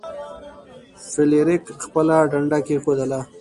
فلیریک خپله ډنډه کیښودله.